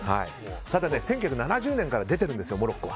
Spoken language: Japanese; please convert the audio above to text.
ただ１９７０年から出てるんですよ、モロッコは。